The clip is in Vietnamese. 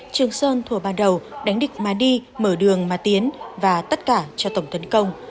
trường sơn thùa ban đầu đánh địch ma đi mở đường ma tiến và tất cả cho tổng tấn công